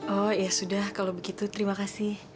oh ya sudah kalau begitu terima kasih